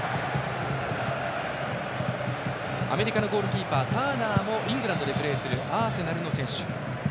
アメリカのゴールキーパーターナーもイングランドでプレーするアーセナルの選手。